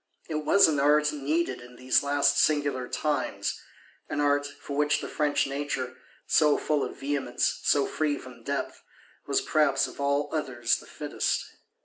It was an art needed in these last singular times: an art, for which the French nature, so full of vehemence, so free from depth, was perhaps of all others the fittest.